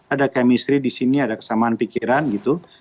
ada chemistry di sini ada kesamaan pikiran gitu